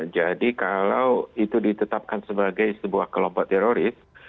jadi kalau itu ditetapkan sebagai sebuah kelompok teroris